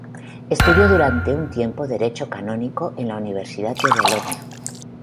Estudió durante un tiempo derecho canónico en la Universidad de Bolonia.